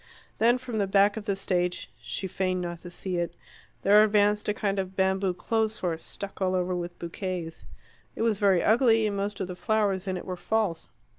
Then from the back of the stage she feigned not to see it there advanced a kind of bamboo clothes horse, stuck all over with bouquets. It was very ugly, and most of the flowers in it were false.